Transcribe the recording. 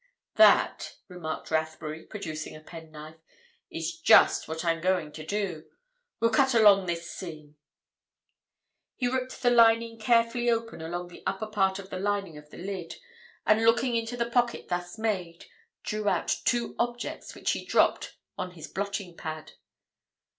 "That," remarked Rathbury, producing a pen knife, "is just what I'm going to do. We'll cut along this seam." He ripped the lining carefully open along the upper part of the lining of the lid, and looking into the pocket thus made, drew out two objects which he dropped on his blotting pad.